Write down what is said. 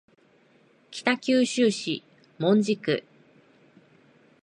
北九州市門司区